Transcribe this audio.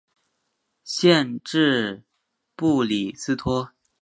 县治布里斯托。